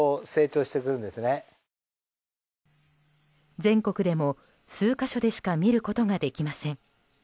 全国でも数か所でしか見ることができません。